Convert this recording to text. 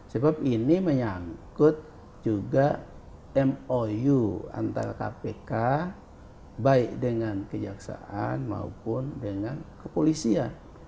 sebab ini menyangkut juga mou antara kpk baik dengan kejaksaan maupun dengan kepolisian